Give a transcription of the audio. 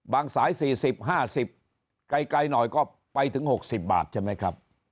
สาย๔๐๕๐ไกลหน่อยก็ไปถึง๖๐บาทใช่ไหมครับ